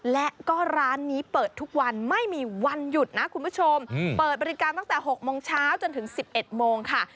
และก็ร้านนี้เปิดทุกวันไม่มีวันหยุดนะคุณผู้ชมเปิดบริการตั้งแต่๖โมงเช้าจนถึง๑๑โมงค่ะ